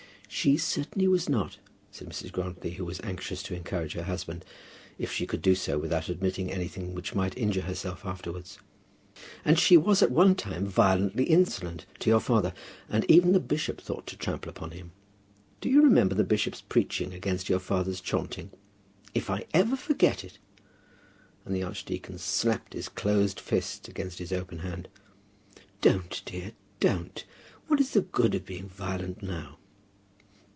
"She certainly was not," said Mrs. Grantly, who was anxious to encourage her husband, if she could do so without admitting anything which might injure herself afterwards. "And she was at one time violently insolent to your father. And even the bishop thought to trample upon him. Do you remember the bishop's preaching against your father's chaunting? If I ever forget it!" And the archdeacon slapped his closed fist against his open hand. "Don't, dear; don't. What is the good of being violent now?"